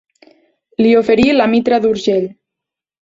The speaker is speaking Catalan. Li oferí la mitra d'Urgell.